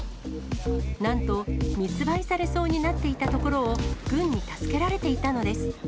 なんと密売されそうになっていたところを、軍に助けられていたのです。